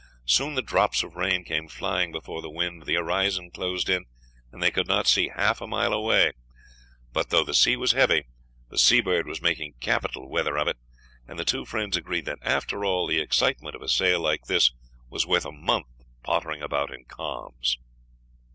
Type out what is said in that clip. Soon the drops of rain came flying before the wind, the horizon closed in, and they could not see half a mile away, but, though the sea was heavy, the Seabird was making capital weather of it, and the two friends agreed that, after all, the excitement of a sail like this was worth a month of pottering about in calms.